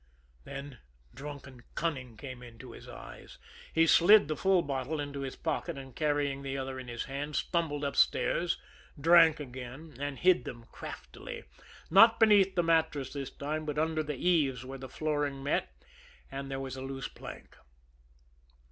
Then drunken cunning came into his eyes. He slid the full bottle into his pocket, and, carrying the ether in his hand, stumbled upstairs, drank again, and hid them craftily, not beneath the mattress this time, but under the eaves where the flooring met and there was a loose plank.